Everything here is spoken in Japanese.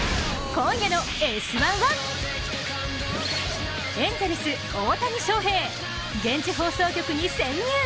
今夜の「Ｓ☆１」はエンゼルス・大谷翔平、現地放送局に潜入！